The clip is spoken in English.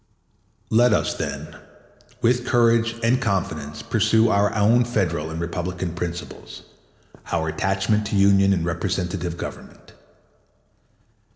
2 Let us, then, with courage and confidence pursue our own Federal and Republican principles, our attachment to union and representative government.